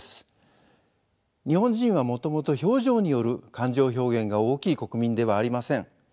日本人はもともと表情による感情表現が大きい国民ではありません。